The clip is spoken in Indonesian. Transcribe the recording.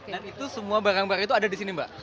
dan itu semua barang barang itu ada di sini mbak